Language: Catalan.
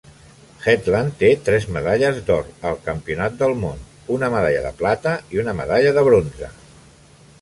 Hetland té tres medalles d"or al Campionat del món, una medalla de plata i una medalla de bronze.